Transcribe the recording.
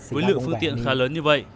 với lượng phương tiện khá lớn như vậy